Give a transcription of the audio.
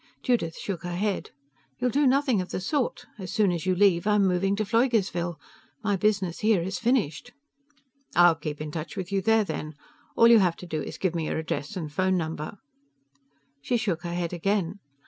Judith shook her head. "You'll do nothing of the sort. As soon as you leave, I'm moving to Pfleugersville. My business here is finished." "I'll keep in touch with you there then. All you have to do is give me your address and phone number." She shook her head again.